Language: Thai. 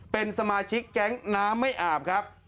เป็นสมาชิกแก๊งน้ำไม่อาบครับ